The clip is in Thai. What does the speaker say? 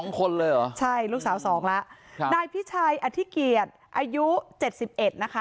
๒คนเลยเหรอใช่ลูกสาว๒ละนายพี่ชายอธิเกียจอายุ๗๑นะคะ